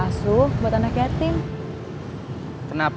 aku mau bercinta